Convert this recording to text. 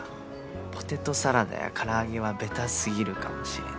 ポテトサラダや唐揚げはベタ過ぎるかもしれない